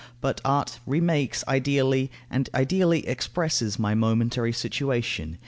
But art remakes ideally, and ideally expresses my momentary situation.